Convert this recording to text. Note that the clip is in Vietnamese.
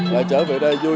là trở về đây vui chung